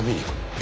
え？